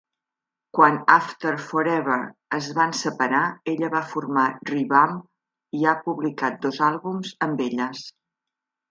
Quan After Forever es van separar, ella va formar ReVamp i ha publicat dos àlbums amb elles.